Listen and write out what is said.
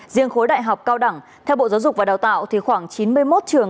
riêng khối đại học cao đẳng theo bộ giáo dục và đào tạo thì khoảng chín mươi một trường